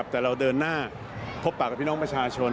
แต่เราเดินหน้าพบปากกับพี่น้องประชาชน